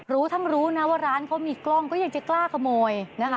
รู้ทั้งรู้นะว่าร้านเขามีกล้องก็ยังจะกล้าขโมยนะคะ